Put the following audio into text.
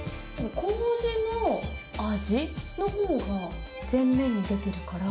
こうじの味のほうが全面に出てるから。